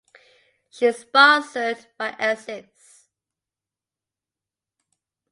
She is sponsored by Asics.